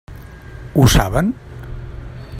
Ho saben?